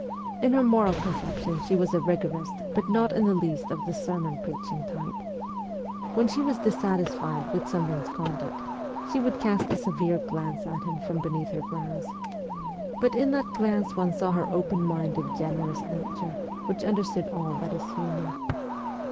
In her moral conceptions she was a 'rigorist,' but not in the least of the sermon preaching type. When she was dissatisfied with some one's conduct, she would cast a severe glance at him from beneath her brows ; but in that glance one saw her open minded, generous nature, which understood all that is human.